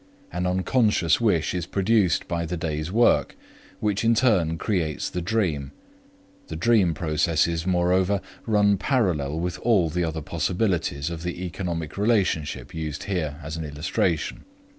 An unconscious wish is produced by the day's work, which in turn creates the dream. The dream processes, moreover, run parallel with all the other possibilities of the economic relationship used here as an illustration.